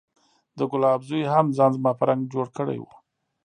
د ګلاب زوى هم ځان زما په رنګ جوړ کړى و.